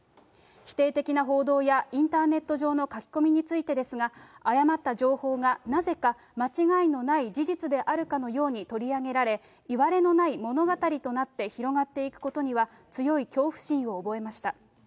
否定的な報道や、インターネット上の書き込みについてですが、誤った情報がなぜか間違いのない事実であるかのように取り上げられ、いわれのない物語となって広がっていくことには、強い恐怖心を覚えました。